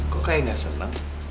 kok kayak gak seneng